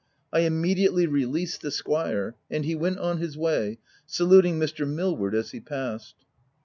I immediately released the squire ; and he went on his way, saluting Mr. Milward as he passed.